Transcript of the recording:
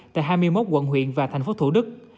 tại hai mươi một quận huyện và tp thủ đức